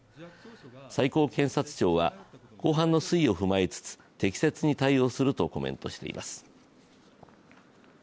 最高検察庁は公判の推移を踏まえつつ適切に対応するとコメントしています。